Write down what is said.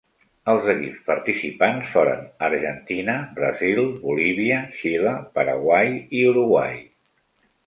Els equips participants foren Argentina, Brasil, Bolívia, Xile, Paraguai, i Uruguai.